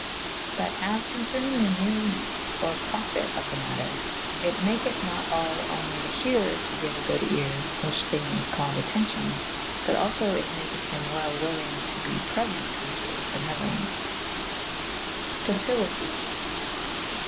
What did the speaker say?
But as concernynge the newnes or profyte of the matter it makythe nat all onely the herar to gyue a good eare (whiche thinge is callyd attencion) but alfo it' makyth him well wyllynge to' be prefe«te whiche is beneuolence. Docilite.